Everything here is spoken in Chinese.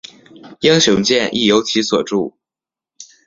英雄剑亦由其所铸。